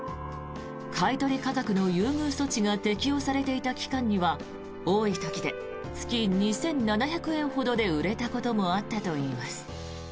買い取り価格の優遇措置が適用されていた期間には多い時で月２７００円ほどで売れたこともあったといいます。